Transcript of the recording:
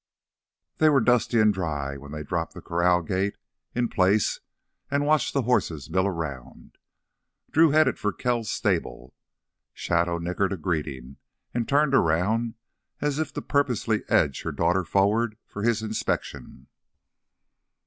They were dusty and dry when they dropped the corral gate in place and watched the horses mill around. Drew headed for Kells' stable. Shadow nickered a greeting and turned around as if to purposefully edge her daughter forward for his inspection.